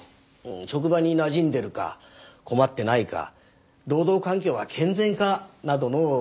職場になじんでるか困ってないか労働環境は健全かなどの確認です。